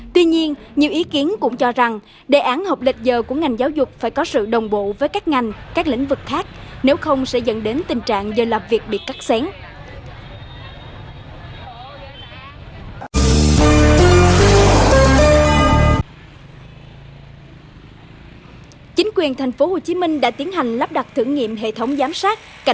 tuy nhiên nhiều ý kiến cũng cho rằng đề án học lệch giờ của ngành giáo dục phải có sự đồng bộ với các ngành các lĩnh vực khác nếu không sẽ dẫn đến tình trạng do làm việc bị cắt sén